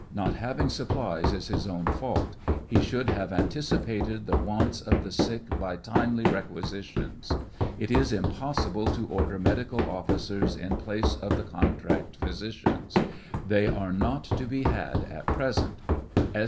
Not havihg supplies is his own fault ; he should have 760 TRIAL OF HENRY WIRZ. anticipated the wants of the sick by timely requisitions. It is impossible to order medical officers in place of the contract physicians. They are not to be had at present.